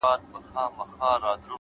هره ناکامي د نوي پیل پیغام دی’